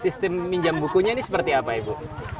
sistem minjam bukunya ini seperti apa ibu